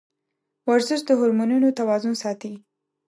ورزش د هورمونونو توازن ساتي.